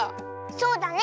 そうだね